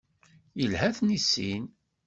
Yelha ad t-nissin.